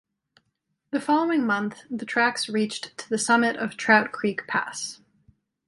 The following month, the tracks reached to the summit of Trout Creek Pass.